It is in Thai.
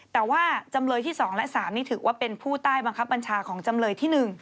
แต่ว่าจำเลยที่๒และ๓นี่ถือว่าเป็นผู้ใต้บังคับบัญชาของจำเลยที่๑